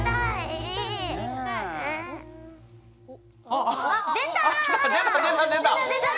あっ出た！